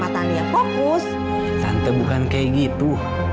tante bukan kayak gitu